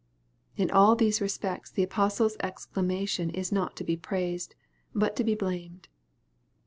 In all these respects the apostle's exclamation is not to be praised, but to be blamed.